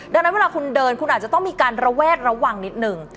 ดังนั้นเวลาคุณเดินคุณอาจจะต้องมีการระแวดระวังนิดนึง